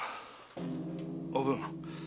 おぶん。